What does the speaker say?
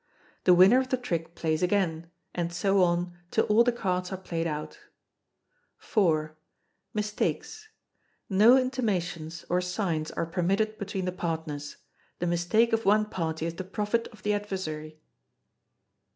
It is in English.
The winner of the trick plays again; and so on, till all the cards are played out. iv. Mistakes. No intimations, or signs are permitted between the partners. The mistake of one party is the profit of the adversary.